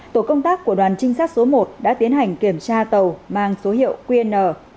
tổ công tác của đoàn trinh sát số một đã tiến hành kiểm tra tàu mang số hiệu qn hai nghìn bốn trăm ba mươi bốn